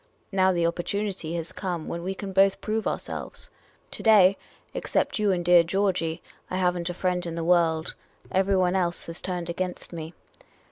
Now the oppor tunity has come when we can both prove ourselves. To day, except you and dear Georgey, I have n't a friend in the world. Everyone else has turned against me.